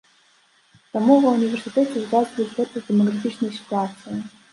Таму ва ўніверсітэце звязваюць гэта з дэмаграфічнай сітуацыяй.